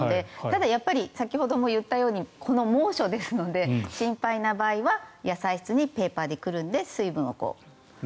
ただやっぱり先ほども言ったようにこの猛暑ですので心配な場合は野菜室にペーパーでくるんで水分をこう。